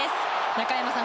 中山さん